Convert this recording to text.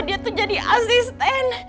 dia tuh jadi asisten